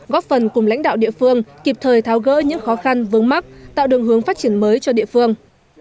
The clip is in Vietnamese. góp phần cùng lãnh đạo địa phương kịp thời tháo gỡ những khó khăn vướng mắt tạo đường hướng phát triển mới cho địa phương